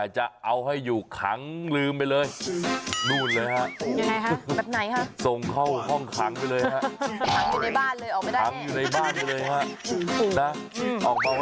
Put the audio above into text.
เพื่อนผักวันเห็นป่าว